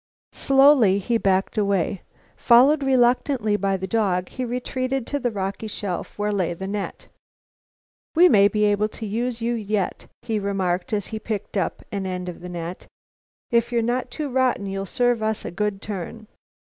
Slowly he backed away. Followed reluctantly by the dog, he retreated to the rocky shelf where lay the net. "We may be able to use you yet," he remarked as he picked up an end of the net. "If you're not too rotten, you'll serve us a good turn.